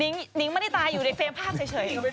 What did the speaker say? แล้วหนิงแม่นิตาทำไม